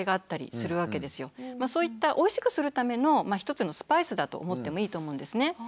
そういったおいしくするための一つのスパイスだと思ってもいいと思うんですね。